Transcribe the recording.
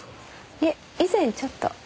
いえ以前ちょっと。